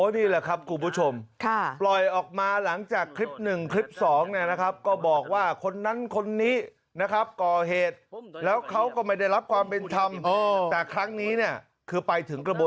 ถูกทั้งหลับกราบก็กระปะแต่นแหละเพื่อยาโทษครับ